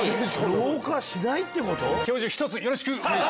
老化しないってこと？